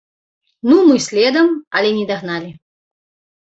Ну мы следам, але не дагналі.